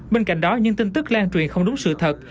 bên cạnh đó những tin tức lan truyền không đúng sự thật